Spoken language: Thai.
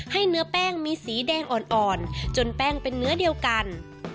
เนื้อแป้งมีสีแดงอ่อนจนแป้งเป็นเนื้อเดียวกัน